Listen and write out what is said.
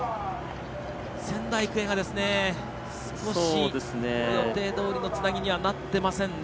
仙台育英が少し予定どおりのつなぎにはなってませんね。